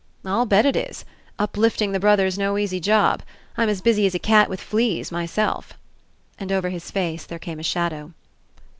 "I'll bet it is. Uplifting the brother's no easy job. I'm as busy as a cat with fleas, my self." And over his face there came a shadow.